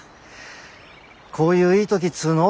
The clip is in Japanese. こういういい時っつうの？